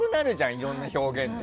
いろんな表現って。